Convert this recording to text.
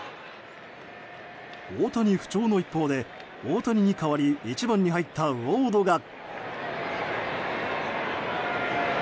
大谷不調の一方で大谷に代わり１番に入ったウォードが。